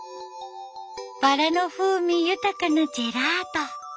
バラの風味豊かなジェラート。